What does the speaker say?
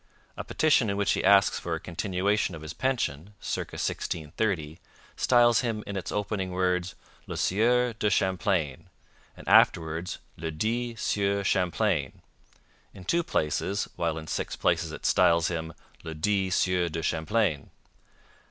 A petition in which he asks for a continuation of his pension (circ. 1630) styles him in its opening words 'Le Sieur de Champlain' and afterwards 'le dit sieur Champlain' in two places, while in six places it styles him 'le dit sieur de Champlain.'